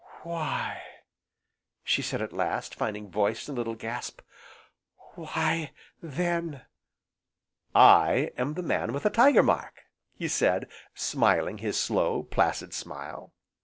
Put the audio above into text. "Why " said she at last, finding voice in a little gasp, "why then " "I am the Man with the Tiger Mark!" he said, smiling his slow, placid smile.